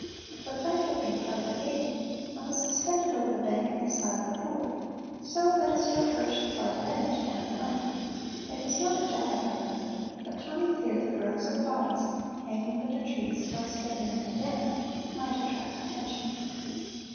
The plank had been part of a gate, and was suspended over the bank of the Silent Pool, so that, as you approached the farther end, down you went. It was not a Jacobite method, but Tommy feared that rows of bodies, hanging from the trees still standing in the Den, might attract attention.